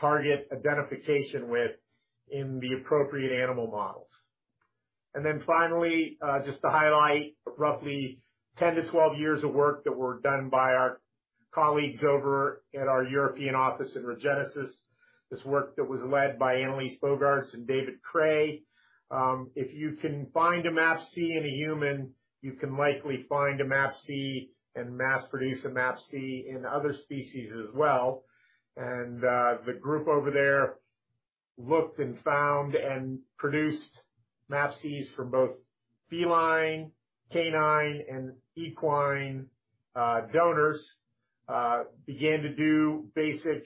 target identification with in the appropriate animal models. Finally, just to highlight roughly 10-12 years of work that were done by our colleagues over at our European office in ReGenesys, this work that was led by Annelies Bogaerts and David Craeye. If you can find a MAPC in a human, you can likely find a MAPC and mass produce a MAPC in other species as well. The group over there looked and found and produced MAPCs from both feline, canine, and equine donors, began to do basic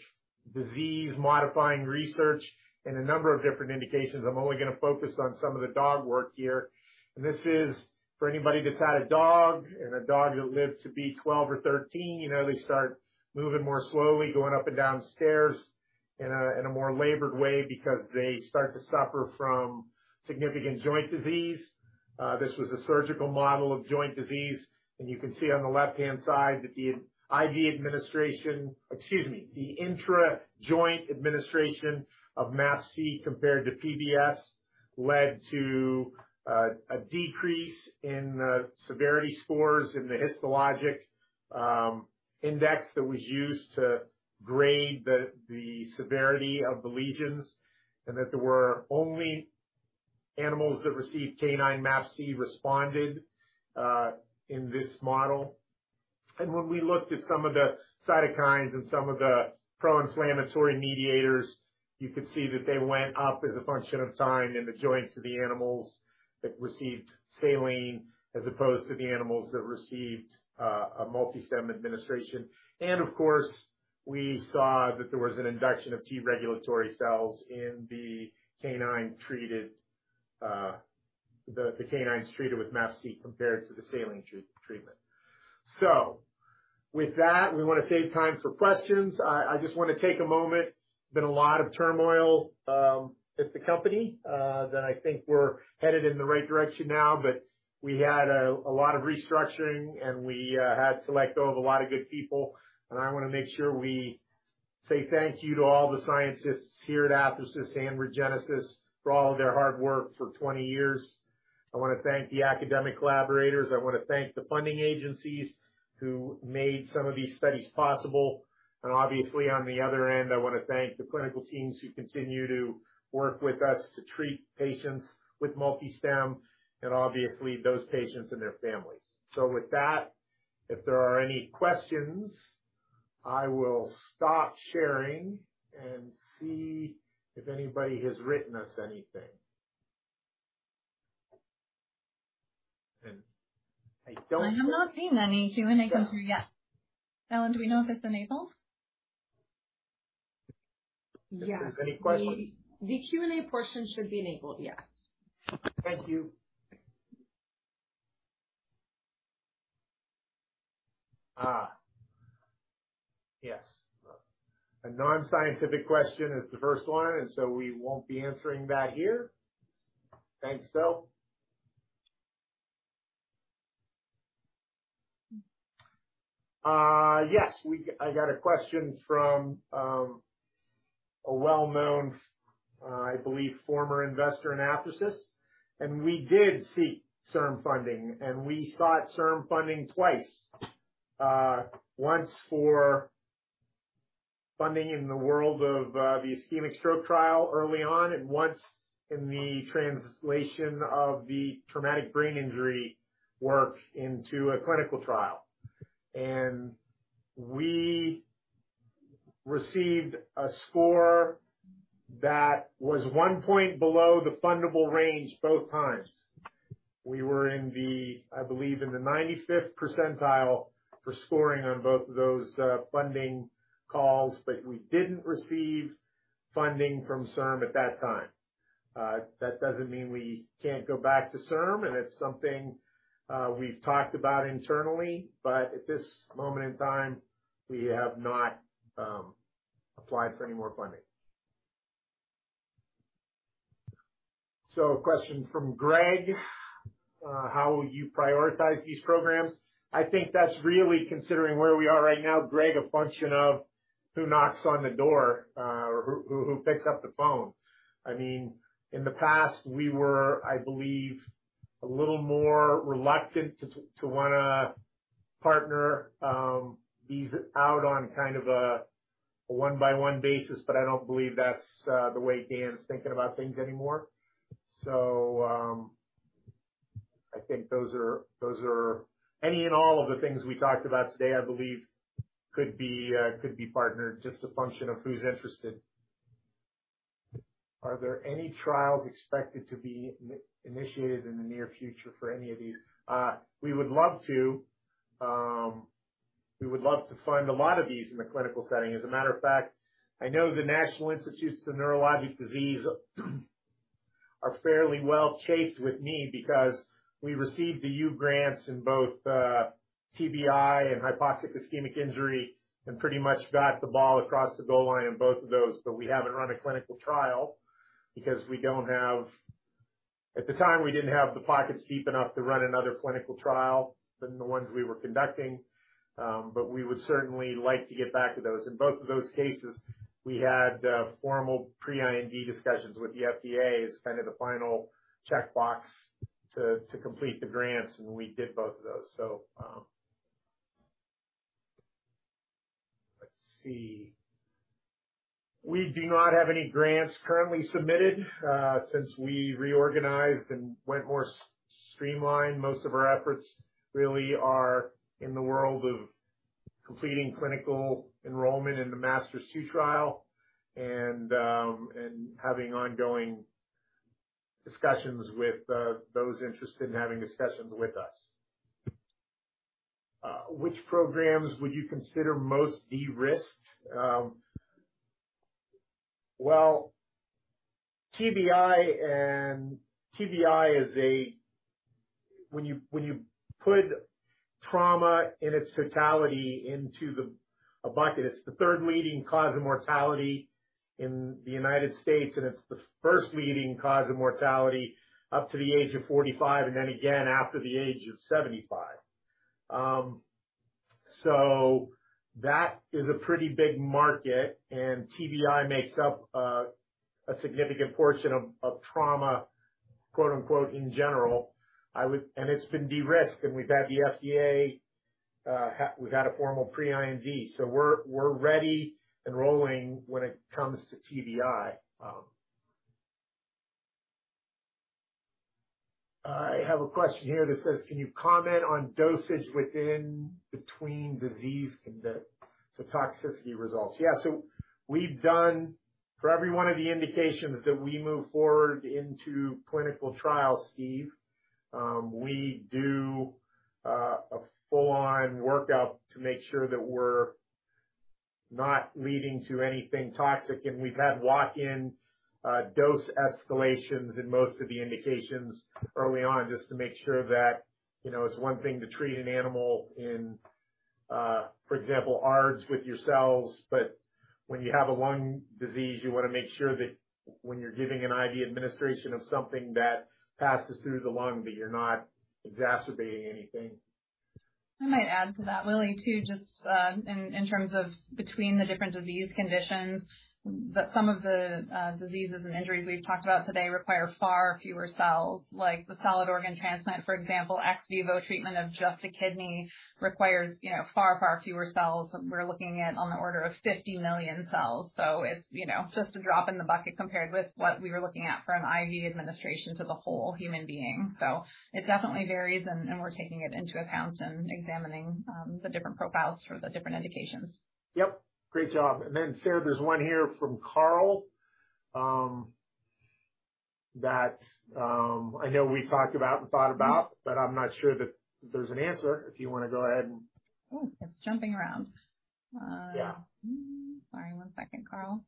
disease-modifying research in a number of different indications. I'm only gonna focus on some of the dog work here. This is for anybody that's had a dog and a dog that lived to be 12 or 13. You know, they start moving more slowly, going up and down stairs in a more labored way because they start to suffer from significant joint disease. This was a surgical model of joint disease, and you can see on the left-hand side that the intra-joint administration of MAPC compared to PBS led to a decrease in severity scores in the histologic index that was used to grade the severity of the lesions, and that only animals that received canine MAPC responded in this model. When we looked at some of the cytokines and some of the proinflammatory mediators, you could see that they went up as a function of time in the joints of the animals that received saline as opposed to the animals that received a MultiStem administration. Of course, we saw that there was an injection of T-regulatory cells in the canines treated with MAPC compared to the saline treatment. With that, we wanna save time for questions. I just wanna take a moment. Been a lot of turmoil at the company that I think we're headed in the right direction now, but we had a lot of restructuring, and we had to let go of a lot of good people, and I wanna make sure we say thank you to all the scientists here at Athersys and ReGenesys for all of their hard work for 20 years. I wanna thank the academic collaborators. I wanna thank the funding agencies who made some of these studies possible. Obviously on the other end, I wanna thank the clinical teams who continue to work with us to treat patients with MultiStem and obviously those patients and their families. With that, if there are any questions, I will stop sharing and see if anybody has written us anything. I have not seen any Q&A come through yet. Ellen, do we know if it's enabled? If there's any questions? Yeah. The Q&A portion should be enabled, yes. Thank you. Yes. A non-scientific question is the first one, and so we won't be answering that here. Thanks, Phil. Yes. I got a question from a well-known, I believe former investor in Athersys, and we did seek CIRM funding, and we sought CIRM funding twice. Once for funding in the world of the ischemic stroke trial early on, and once in the translation of the traumatic brain injury work into a clinical trial. We received a score that was one point below the fundable range both times. We were in the, I believe, in the 95th percentile for scoring on both of those funding calls, but we didn't receive funding from CIRM at that time. That doesn't mean we can't go back to CIRM, and it's something we've talked about internally, but at this moment in time, we have not applied for any more funding. A question from Greg, how will you prioritize these programs? I think that's really considering where we are right now, Greg, a function of who knocks on the door or who picks up the phone. I mean, in the past, we were, I believe, a little more reluctant to wanna partner these out on kind of a one-by-one basis, but I don't believe that's the way Dan's thinking about things anymore. I think those are any and all of the things we talked about today, I believe could be partnered, just a function of who's interested. Are there any trials expected to be initiated in the near future for any of these? We would love to. We would love to fund a lot of these in the clinical setting. As a matter of fact, I know the National Institute of Neurological Disorders and Stroke are fairly well chafed with me because we received the U grants in both, TBI and hypoxic ischemic injury and pretty much got the ball across the goal line in both of those, but we haven't run a clinical trial. At the time, we didn't have the pockets deep enough to run another clinical trial than the ones we were conducting, but we would certainly like to get back to those. In both of those cases, we had formal pre-IND discussions with the FDA as kind of the final checkbox to complete the grants, and we did both of those. Let's see. We do not have any grants currently submitted. Since we reorganized and went more streamlined, most of our efforts really are in the world of completing clinical enrollment in the MASTERS-2 trial and having ongoing discussions with those interested in having discussions with us. Which programs would you consider most de-risked? Well, TBI. When you put trauma in its totality into a bucket, it's the third leading cause of mortality in the United States, and it's the first leading cause of mortality up to the age of 45 and then again after the age of 75. That is a pretty big market, and TBI makes up a significant portion of trauma, quote-unquote, in general. It's been de-risked, and we've had the FDA. We've had a formal pre-IND. We're ready and rolling when it comes to TBI. I have a question here that says, "Can you comment on dosage within and between diseases and the toxicity results?" Yeah. We've done for every one of the indications that we move forward into clinical trials, Steve, we do a full-on workup to make sure that we're not leading to anything toxic. We've had walk-in dose escalations in most of the indications early on, just to make sure that, you know, it's one thing to treat an animal in, for example, ARDS with your cells, but when you have a lung disease, you wanna make sure that when you're giving an IV administration of something that passes through the lung, that you're not exacerbating anything. I might add to that, Willie, too, just in terms of between the different disease conditions, that some of the diseases and injuries we've talked about today require far fewer cells. Like the solid organ transplant, for example, ex vivo treatment of just a kidney requires, you know, far, far fewer cells. We're looking at on the order of 50 million cells. So it's, you know, just a drop in the bucket compared with what we were looking at from an IV administration to the whole human being. So it definitely varies, and we're taking it into account and examining the different profiles for the different indications. Yep. Great job. Sarah, there's one here from Carl, that, I know we talked about and thought about. Mm-hmm. I'm not sure that there's an answer. If you wanna go ahead and. Oh, it's jumping around. Yeah. Sorry, one second, Carl.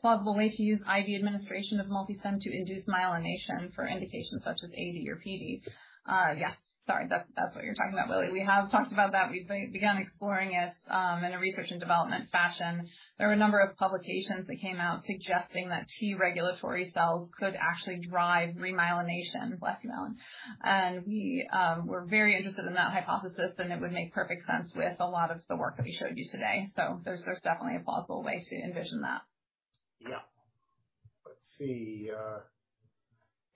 Plausible way to use IV administration of MultiStem to induce myelination for indications such as AD or PD. Yes, sorry. That's what you're talking about, Willie. We have talked about that. We've begun exploring it in a research and development fashion. There were a number of publications that came out suggesting that T-regulatory cells could actually drive remyelination, less myelin. We were very interested in that hypothesis, and it would make perfect sense with a lot of the work that we showed you today. There's definitely a plausible way to envision that. Yeah. Let's see.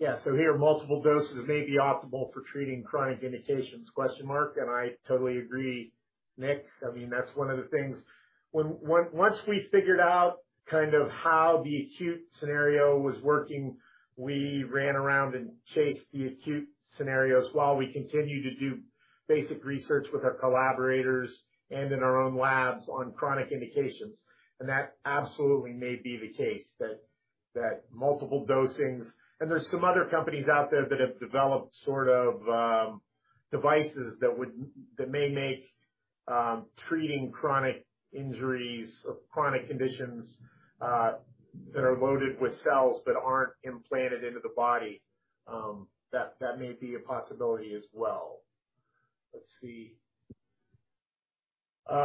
Yeah, so here multiple doses may be optimal for treating chronic indications? I totally agree, Nick. I mean, that's one of the things. Once we figured out kind of how the acute scenario was working, we ran around and chased the acute scenarios while we continued to do basic research with our collaborators and in our own labs on chronic indications. That absolutely may be the case that multiple dosings. There's some other companies out there that have developed sort of devices that may make treating chronic injuries or chronic conditions that are loaded with cells but aren't implanted into the body. That may be a possibility as well. Let's see. Let's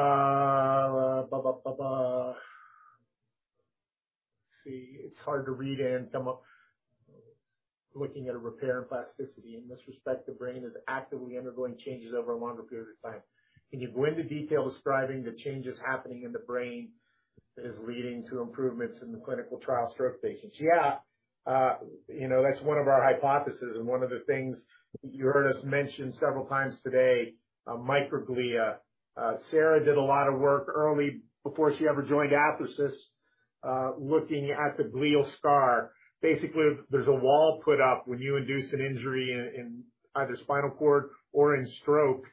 see. It's hard to read and come up. Looking at a repair and plasticity. In this respect, the brain is actively undergoing changes over a longer period of time. Can you go into detail describing the changes happening in the brain that is leading to improvements in the clinical trial stroke patients? Yeah. You know, that's one of our hypotheses and one of the things you heard us mention several times today, microglia. Sarah did a lot of work early, before she ever joined Athersys, looking at the glial scar. Basically, there's a wall put up when you induce an injury in either spinal cord or in stroke.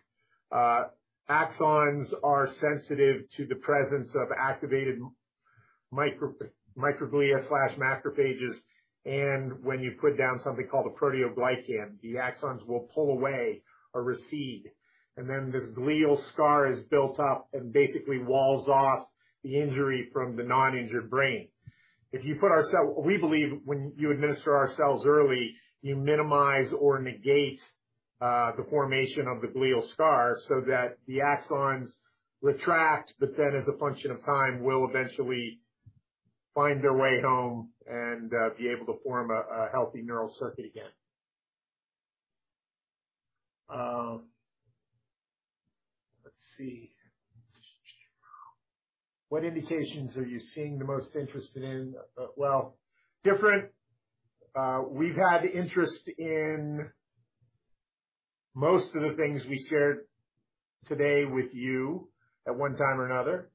Axons are sensitive to the presence of activated microglia/macrophages, and when you put down something called a proteoglycan, the axons will pull away or recede. This glial scar is built up and basically walls off the injury from the non-injured brain. We believe when you administer our cells early, you minimize or negate the formation of the glial scar so that the axons retract but then, as a function of time, will eventually find their way home and be able to form a healthy neural circuit again. Let's see. What indications are you seeing the most interested in? Well, we've had interest in most of the things we shared today with you at one time or another.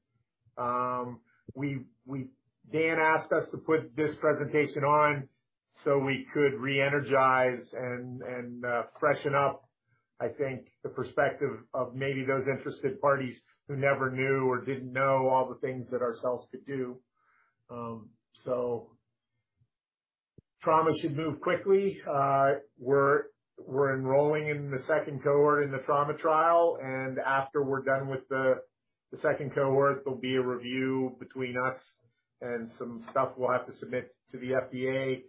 Dan asked us to put this presentation on so we could re-energize and freshen up, I think, the perspective of maybe those interested parties who never knew or didn't know all the things that our cells could do. Trauma should move quickly. We're enrolling in the second cohort in the trauma trial, and after we're done with the second cohort, there'll be a review between us, and some stuff we'll have to submit to the FDA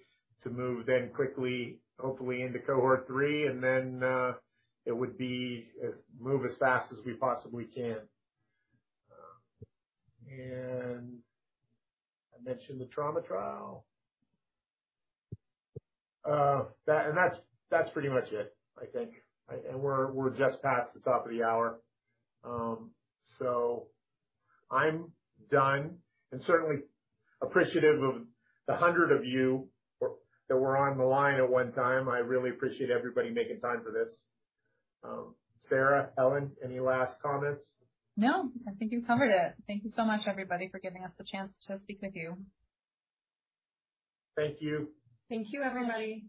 to move then quickly, hopefully into cohort three. Then it would be to move as fast as we possibly can. I mentioned the trauma trial. That's pretty much it, I think. We're just past the top of the hour. So I'm done and certainly appreciative of the 100 of you that were on the line at one time. I really appreciate everybody making time for this. Sarah, Ellen, any last comments? No, I think you covered it. Thank you so much, everybody, for giving us the chance to speak with you. Thank you. Thank you, everybody.